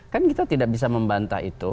kan kita tidak bisa membantah itu